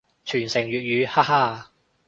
傳承粵語，哈哈